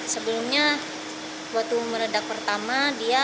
sebelumnya waktu meredak pertama